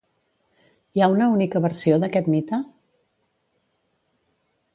Hi ha una única versió d'aquest mite?